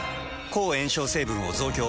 抗炎症成分を増強。